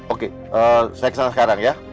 oke saya kesana sekarang ya